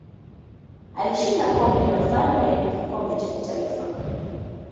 Alishinda Kombe la Mfalme kikombe cha kitaifa.